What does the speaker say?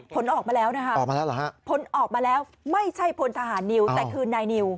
ผลออกมาแล้วนะคะผลออกมาแล้วไม่ใช่พลทหารนิวแต่คือนายนิว